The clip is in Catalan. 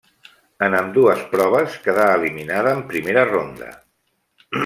En ambdues proves quedà eliminada en primera ronda.